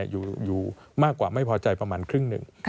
อยู่มากกว่าไม่พอใจประมาณครึ่งหนึ่ง